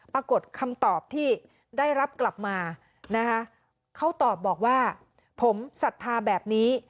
ประกอบคำตอบที่ได้รับกลับมานะคะเขาตอบบอกว่าผมศรัทธาแบบนี้